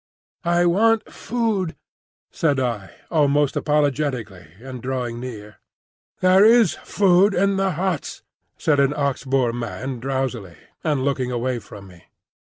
"I want food," said I, almost apologetically, and drawing near. "There is food in the huts," said an Ox boar man, drowsily, and looking away from me.